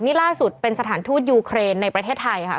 นี่ล่าสุดเป็นสถานทูตยูเครนในประเทศไทยค่ะ